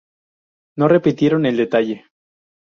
No repitieron el detalle.